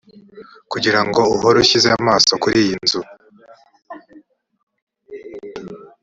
kugira ngo uhore ushyize amaso kuri iyi nzu